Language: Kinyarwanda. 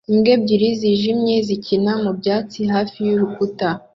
Imbwa ebyiri zijimye zikina ku byatsi hafi y'urukuta